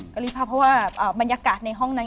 ก็รีบภาพเพราะว่าบรรยากาศในห้องนั้น